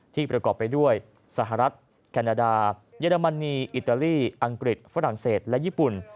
ประกอบไปด้วยสหรัฐแคนาดาเยอรมนีอิตาลีอังกฤษฝรั่งเศสและญี่ปุ่น